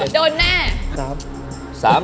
โดนแน่